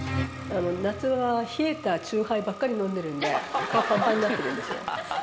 夏は冷えた酎ハイばっかり飲んでるんで顔パンパンになってるんですよ。